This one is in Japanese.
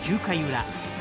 ９回裏。